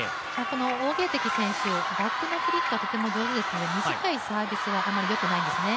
王ゲイ迪選手、バックのフリックはとても上手ですので短いサービスはあまりよくないですね。